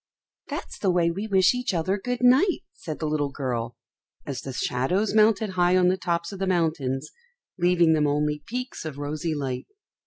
"That's the way we wish each other good night," said the little girl, as the shadows mounted high on the tops of the mountains, leaving them only peaks of rosy light.